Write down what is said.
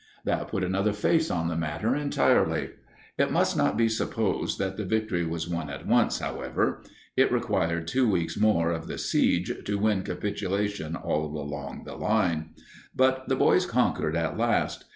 That put another face on the matter entirely. It must not be supposed that the victory was won at once, however. It required two weeks more of the siege to win capitulation all along the line. But the boys conquered at last.